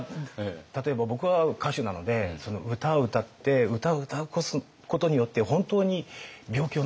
例えば僕は歌手なので歌を歌って歌を歌うことによって本当に病気を治してみたいとか。